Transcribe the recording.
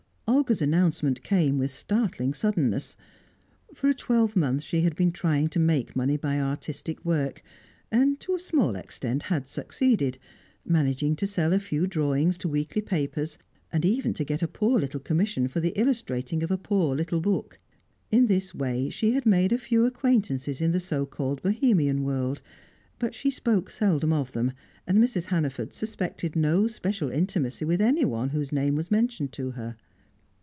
Olga's announcement came with startling suddenness. For a twelvemonth she had been trying to make money by artistic work, and to a small extent had succeeded, managing to sell a few drawings to weekly papers, and even to get a poor little commission for the illustrating of a poor little book. In this way she had made a few acquaintances in the so called Bohemian world, but she spoke seldom of them, and Mrs. Hannaford suspected no special intimacy with anyone whose name was mentioned to her.